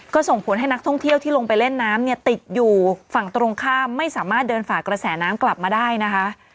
ก็ส่งผลให้นักท่องเที่ยวที่ลงไปเล่นน้ำเนี่ยติดอยู่ฝั่งตรงข้ามไม่สามารถเดินฝากระแสน้ำกลับมาได้นะคะ